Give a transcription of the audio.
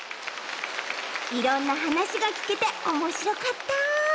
いろんなはなしがきけておもしろかった。